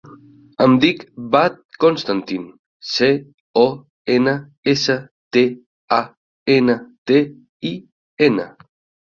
Em dic Badr Constantin: ce, o, ena, essa, te, a, ena, te, i, ena.